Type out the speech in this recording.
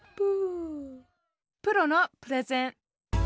「プロのプレゼン」。